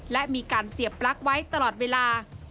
และมีการเสียบปลั๊กไว้ตลอดเวลา